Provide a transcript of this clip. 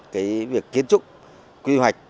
cái việc kiến trúc quy hoạch